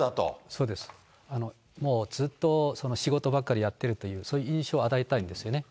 もうずっと仕事ばっかりやってるという、そういう印象を与えたいんですよね。